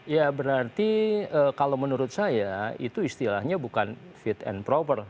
ya berarti kalau menurut saya itu istilahnya bukan fit and proper